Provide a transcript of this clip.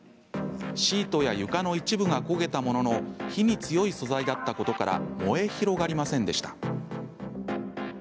シートや床の一部が焦げたものの火に強い素材だったことから燃え広がりませんでした。